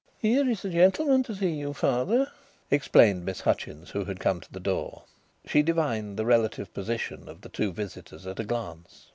"Here is a gentleman to see you, father," explained Miss Hutchins, who had come to the door. She divined the relative positions of the two visitors at a glance.